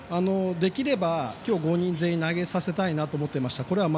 できれば今日、５人全員投げさせたいなと思っていました。